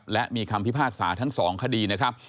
และมีคำพิพากษาทั้ง๒คดีนะครับ